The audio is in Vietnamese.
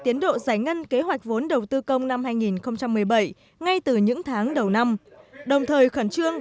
tiến độ giải ngân kế hoạch vốn đầu tư công năm hai nghìn một mươi bảy ngay từ những tháng đầu năm đồng thời khẩn trương